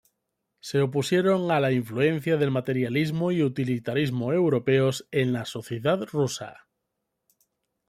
Se opusieron a la influencia del materialismo y utilitarismo europeos en la sociedad rusa.